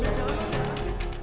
sambil jalan sambil jalan